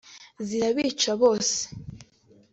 zirabica bose